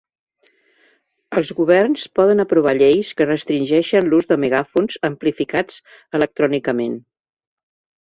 Els governs poden aprovar lleis que restringeixen l'ús de megàfons amplificats electrònicament.